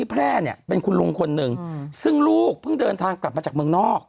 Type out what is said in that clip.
แพร่เนี่ยเป็นคุณลุงคนหนึ่งซึ่งลูกเพิ่งเดินทางกลับมาจากเมืองนอก